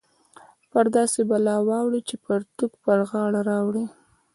پر داسې بلا واوړې چې پرتوګ پر غاړه راوړې